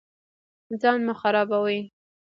ځان مه خرابوئ